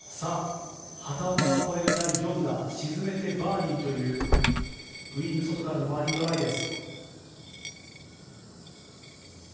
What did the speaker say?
畑岡はこれが第４打、沈めてバーディーというグリーンの外からのバーディートライです。